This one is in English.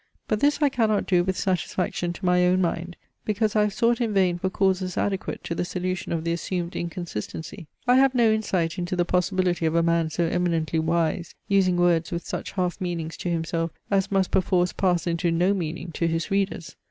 But this I cannot do with satisfaction to my own mind, because I have sought in vain for causes adequate to the solution of the assumed inconsistency. I have no insight into the possibility of a man so eminently wise, using words with such half meanings to himself, as must perforce pass into no meaning to his readers.